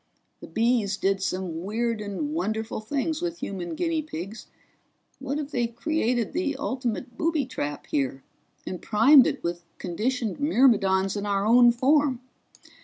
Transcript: The Bees did some weird and wonderful things with human guinea pigs what if they've created the ultimate booby trap here, and primed it with conditioned myrmidons in our own form?